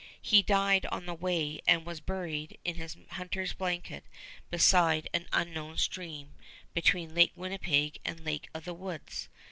He died on the way and was buried in his hunter's blanket beside an unknown stream between Lake Winnipeg and the Lake of the Woods.